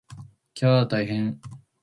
きゃー大変！